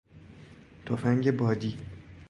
تفنگ بادی